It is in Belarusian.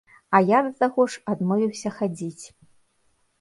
А я, да таго ж, адмовіўся хадзіць.